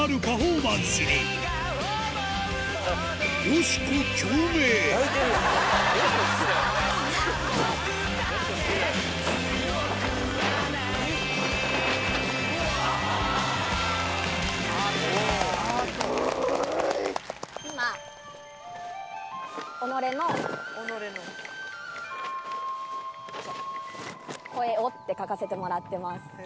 うわぁ！って書かせてもらってます。